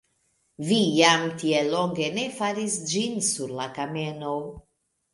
Vi jam tiel longe ne faris ĝin sur la kameno!